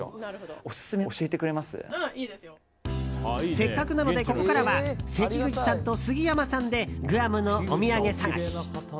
せっかくなので、ここからは関口さんと杉山さんでグアムのお土産探し。